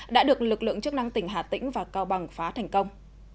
đã được lực lượng chức năng tỉnh hà tĩnh và cao bằng phá thành công